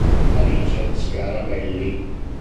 Alice Scarabelli